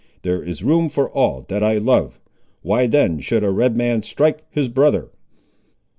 There is room for all that I love. Why then should a Red man strike his brother?"